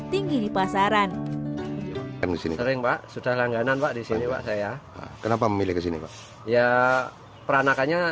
tinggi di pasaran muslim pak sudah langganan pak di sini saya kenapa memilih ke sini ya peranakannya